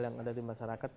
yang ada di masyarakat